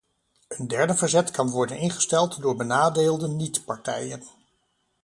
Een derdenverzet kan worden ingesteld door benadeelde niet-partijen.